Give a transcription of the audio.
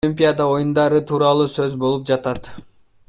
Олимпиада оюндары тууралуу сөз болуп жатат.